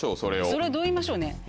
それをどう言いましょう。